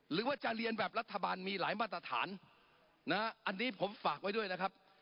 หรือว่าจะเรียนแบบรัฐบาลมีหลายมาตรฐานนะอันนี้ผมฝากไว้ด้วยนะครับ